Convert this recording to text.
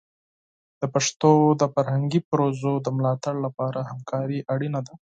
د پښتو د فرهنګي پروژو د ملاتړ لپاره همکاري اړینه ده.